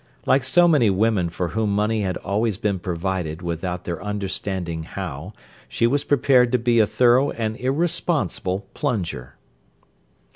Like so many women for whom money has always been provided without their understanding how, she was prepared to be a thorough and irresponsible plunger.